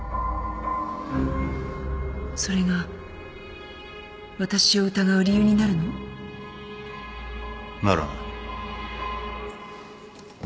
それが私を疑う理由になるの？ならない。